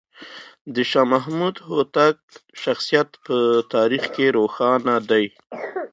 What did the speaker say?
د شاه محمود هوتک شخصیت په تاریخ کې روښانه دی.